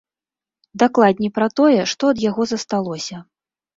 Дакладней пра тое, што ад яго засталося.